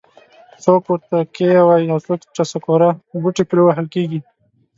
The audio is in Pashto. څوک ورته کیه وایي او څوک ټسکوره. بوټي پرې وهل کېږي.